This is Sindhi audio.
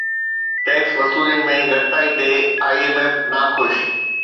ٽيڪس وصولين ۾ گهٽتائي تي اي ايم ايف ناخوش